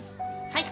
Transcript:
はい。